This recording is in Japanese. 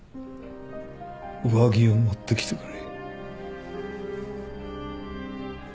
上着を持ってきてくれ。